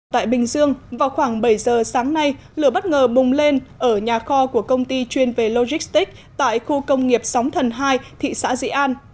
tại bình dương vào khoảng bảy giờ sáng nay lửa bất ngờ bùng lên ở nhà kho của công ty chuyên về logistics tại khu công nghiệp sóng thần hai thị xã dị an